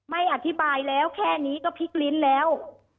ไม่อธิบายแล้วแค่นี้ก็พลิกลิ้นแล้ว